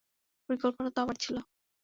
পরিকল্পনা তো আমার ছিলো।